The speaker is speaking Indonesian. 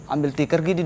ambil tikar gini